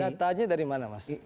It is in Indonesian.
datanya dari mana mas